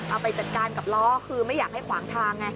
เอาไปจัดการกับล้อคือไม่อยากให้ขวางทางไง